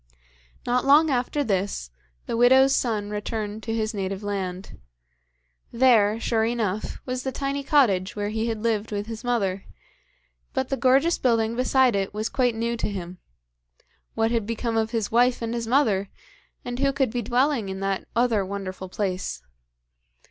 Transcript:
Not long after this, the widow's son returned to his native land. There, sure enough, was the tiny cottage where he had lived with his mother, but the gorgeous building beside it was quite new to him. What had become of his wife and his mother, and who could be dwelling in that other wonderful place.